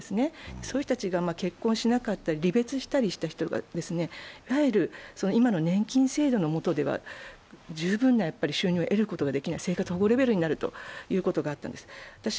そういう人たち、結婚しなかったり離別したりした人が、今の年金制度の下では十分な収入を得ることができない、生活保護レベルになるということがあったんです。